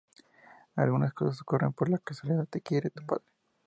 Algunas cosas ocurren por casualidad… …Te quiere, tu padre.